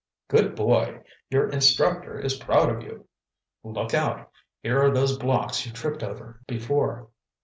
"Good boy! Your instructor is proud of you. Look out—here are those blocks you tripped over before."